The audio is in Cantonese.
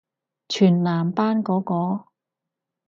全男班嗰個？